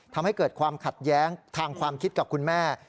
ทำให้เกิดความขัดแย้งทางความคิดกับคุณแม่